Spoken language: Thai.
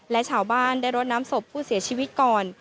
และชาวบ้านได้รดน้ำศพผู้เสียชีวิตก่อน